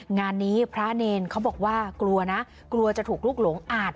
งานนี้พระเนรเขาบอกว่ากลัวนะกลัวจะถูกลุกหลงอาจ